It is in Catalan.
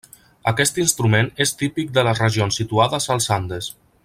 Aquest instrument és típic de les regions situades als Andes.